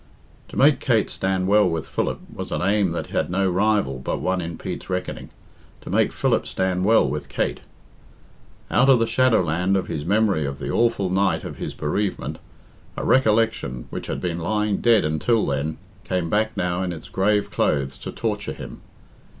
To make Kate stand well with Philip was an aim that had no rival but one in Pete's reckoning to make Philip stand well with Kate. Out of the shadow land of his memory of the awful night of his bereavement, a recollection, which had been lying dead until then, came back now in its grave clothes to torture him.